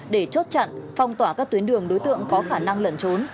để chốt chặn phong tỏa các tuyến đường đối tượng có khả năng lẩn trốn